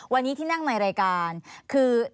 วันนี้ที่นั่งในรายการคือ